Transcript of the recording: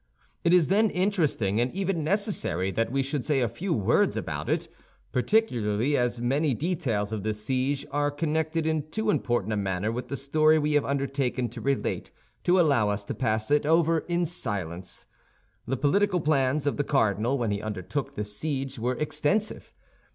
It is, then, interesting and even necessary that we should say a few words about it, particularly as many details of this siege are connected in too important a manner with the story we have undertaken to relate to allow us to pass it over in silence. The political plans of the cardinal when he undertook this siege were extensive.